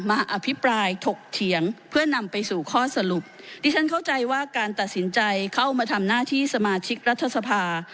อภิปรายถกเถียงเพื่อนำไปสู่ข้อสรุปดิฉันเข้าใจว่าการตัดสินใจเข้ามาทำหน้าที่สมาชิกรัฐสภา